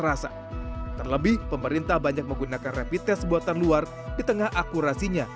rasa terlebih pemerintah banyak menggunakan rapid test buatan luar di tengah akurasinya